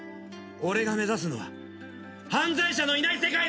俺が目指すのは犯罪者のいない世界だ！